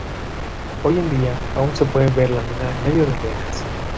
Hoy en día aún se puede ver la mina en medio de ruinas.